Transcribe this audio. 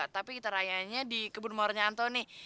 tapi kita rayanya di kebun mawaran anthony